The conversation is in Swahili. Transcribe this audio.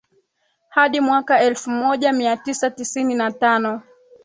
hadi mwaka elfu moja mia tisa tisini na tano